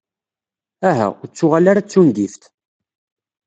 Aha, ur ttuɣal ara d tungift.